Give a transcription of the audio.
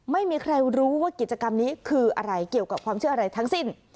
ไม่มีใครรู้ว่ากิจกรรมนี้คืออะไรเกี่ยวกับความเชื่ออะไรทั้งสิ้น